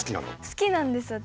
好きなんです私。